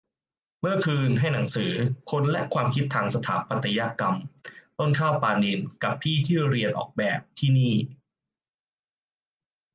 เมื่อคืนให้หนังสือ "คนและความคิดทางสถาปัตยกรรม" ต้นข้าว ปาณินท์ กับพี่ที่เรียนออกแบบที่นี่